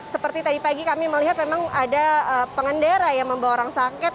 seperti tadi pagi kami melihat memang ada pengendara yang membawa orang sakit